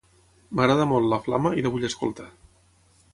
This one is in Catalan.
M'agrada molt "La flama" i la vull escoltar.